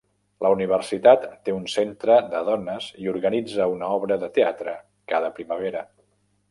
La universitat té un centre de dones i organitza una obra de teatre cada primavera.